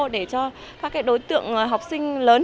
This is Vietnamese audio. để cho các cái đối tượng học sinh lớn